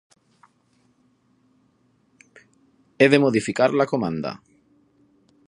He de modificar la comanda.